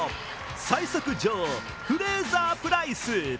最速女王、フレイザー・プライス。